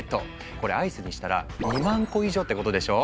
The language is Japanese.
これアイスにしたら２万個以上ってことでしょ。